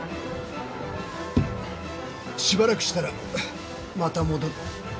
しばらくしたらまた戻る。